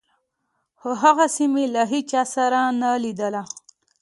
خو هغسې مې له هېچا سره نه لګېده.